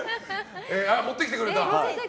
持ってきてくれた。